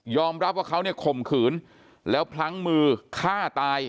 รับว่าเขาเนี่ยข่มขืนแล้วพลั้งมือฆ่าตาย